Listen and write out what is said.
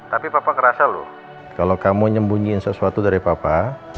tapi papa ngerasa loh kalau kamu nyembunyiin sesuatu dari papa